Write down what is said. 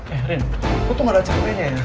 eh rin lo tuh gak ada capeknya ya